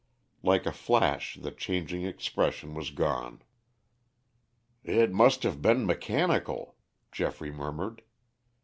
Like a flash the changing expression was gone. "It must have been mechanical," Geoffrey murmured.